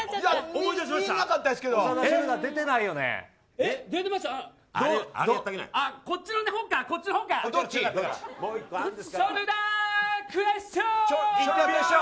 思い出しました。